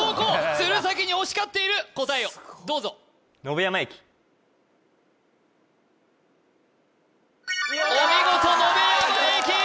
鶴崎に押し勝っている答えをどうぞお見事野辺山駅！